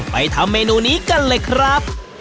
ทำเมนูนี้กันเลยครับ